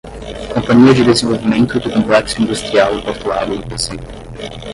Companhia de Desenvolvimento do Complexo Industrial e Portuário do Pecém